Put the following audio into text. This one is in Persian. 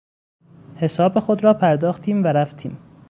حساب خود را پرداختیم و رفتیم.